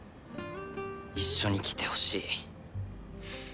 一緒に来てほしい。